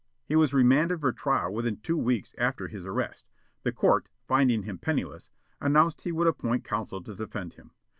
He was remanded for trial within two weeks after his arrest. The court, finding him penniless, announced he would appoint counsel to defend him.